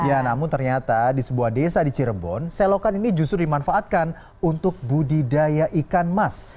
ya namun ternyata di sebuah desa di cirebon selokan ini justru dimanfaatkan untuk budidaya ikan mas